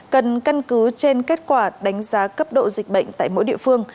cần căn cứ trên kết quả đánh giá cấp độ dịch bệnh tại mỗi địa phương